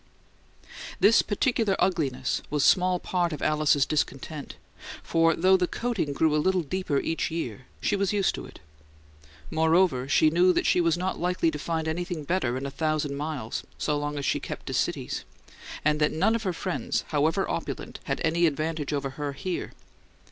This particular ugliness was small part of Alice's discontent, for though the coating grew a little deeper each year she was used to it. Moreover, she knew that she was not likely to find anything better in a thousand miles, so long as she kept to cities, and that none of her friends, however opulent, had any advantage of her here.